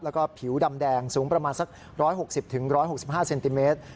แล้วก็ผิวดำแดงสูงประมาณสัก๑๖๐๑๖๕เซนติเมตร